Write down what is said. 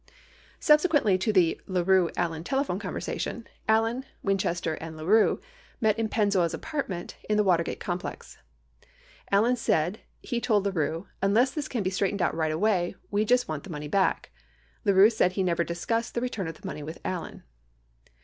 66 Subsequent to the La Rue Alien telephone conversation, Allen, Winchester, and La Rue met in Pennzoil's apartment in the Water gate complex. Allen said he told La Rue "unless this can be straight ened out right away, we just want the money back." 67 La Rue said he never discussed the return of money with Allen.